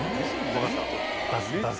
分かった？